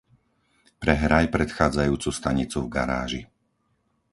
Prehraj predchádzajúcu stanicu v garáži.